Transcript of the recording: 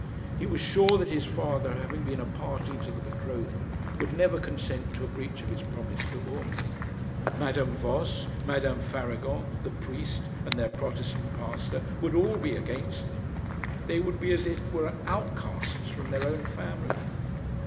He was sure that his father, having been a party to the betrothal, would never consent to a breach of his promise to Urmand. Madame Voss, Madame Faragon, the priest, and their Protestant pastor would all be against them. They would be as it were outcasts from their own family.